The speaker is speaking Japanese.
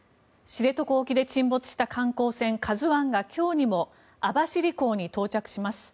知床沖で沈没した観光船「ＫＡＺＵ１」が今日にも網走港に到着します。